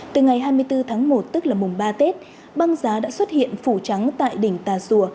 từ ngày hai mươi bốn tháng một tức là mùng ba tết băng giá đã xuất hiện phủ trắng tại đỉnh tà xùa